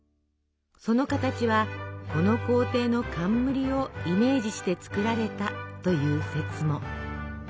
その形はこの皇帝の冠をイメージして作られたという説も。